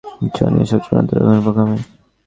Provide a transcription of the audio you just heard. Johnny, এসব চূড়ান্ত রকমের বোকামি।